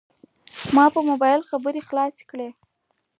ما په موبایل خبرې خلاصې کړې.